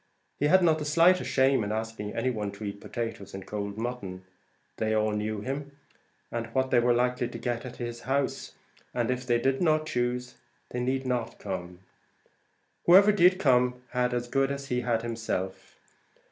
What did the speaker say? He had not the slightest shame at asking any one to eat potatoes and cold mutton. They all knew him, and what they were likely to get at his house, and if they did not choose, they need not come. Whoever did come had as good as he had himself.